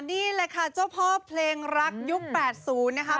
นี่แหละค่ะเจ้าพ่อเพลงรักยุค๘๐นะคะ